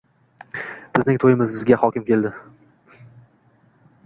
Bizning to`yimizga hokim keldi